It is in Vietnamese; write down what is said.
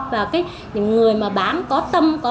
và những người mà bán có tâm